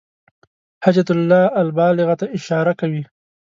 حجة الله البالغة ته اشاره کوي.